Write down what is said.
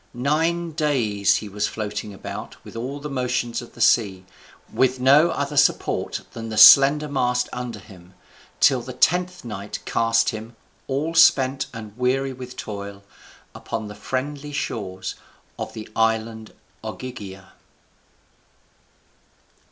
Nine days was he floating about with all the motions of the sea, with no other support than the slender mast under him, till the tenth night cast him, all spent and weary with toil, upon the friendly shores of the island Ogygia.